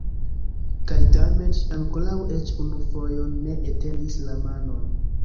Kaj tamen ŝi ankoraŭ eĉ unu fojon ne etendis la manon.